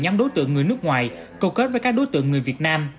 nhắm đối tượng người nước ngoài cầu kết với các đối tượng người việt nam